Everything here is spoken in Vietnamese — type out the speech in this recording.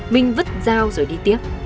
minh vứt dao rồi đi tiếp